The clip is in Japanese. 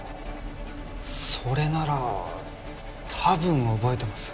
それならたぶん覚えてます。